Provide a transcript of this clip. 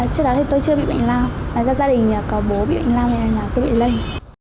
trước đó tôi chưa bị bệnh lao tại ra gia đình có bố bị bệnh lao này là tôi bị lây